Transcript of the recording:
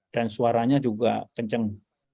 dan suaranya juga kencang